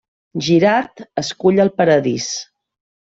Girard escull el paradís.